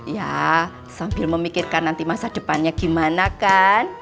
ya sambil memikirkan nanti masa depannya gimana kan